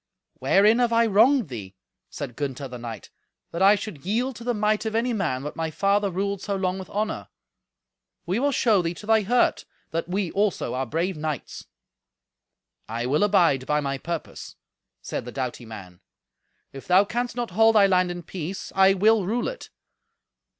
"Wherein have I wronged thee," said Gunther the knight, "that I should yield to the might of any man what my father ruled so long with honour? We will show thee to thy hurt that we also are brave knights." "I will abide by my purpose," said the doughty man. "If thou canst not hold they land in peace, I will rule it.